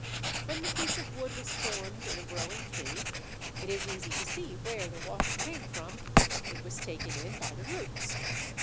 When the piece of wood was formed in a growing tree, it is easy to see where the water came from: it was taken in by the roots.